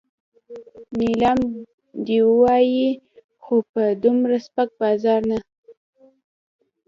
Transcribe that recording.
نیلام دې وای خو په دومره سپک بازار نه.